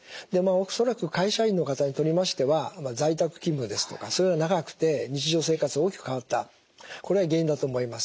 恐らく会社員の方にとりましては在宅勤務ですとかそういうのが長くて日常生活が大きく変わったこれが原因だと思います。